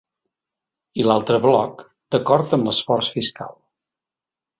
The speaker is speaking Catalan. I l’altre bloc, d’acord amb l’esforç fiscal.